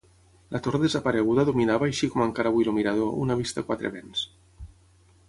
La torre desapareguda dominava així com encara avui el mirador una vista a quatre vents.